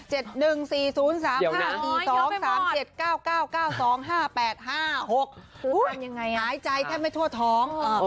หายใจแทบไม่ทั่วท้อง